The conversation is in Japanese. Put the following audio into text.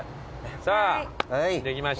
さあできました。